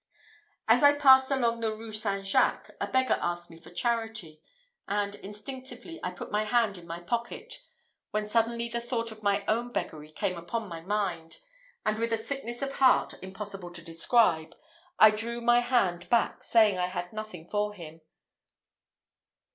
As I passed along the Rue St. Jacques, a beggar asked me for charity; and instinctively I put my hand in my pocket, when suddenly the thought of my own beggary came upon my mind, and with a sickness of heart impossible to describe, I drew my hand back, saying I had nothing for him.